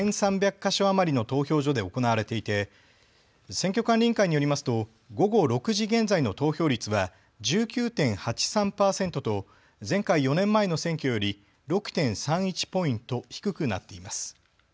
か所余りの投票所で行われていて選挙管理委員会によりますと午後６時現在の投票率は１９．８３％と前回４年前の選挙より６．３１ポイント低くなっています。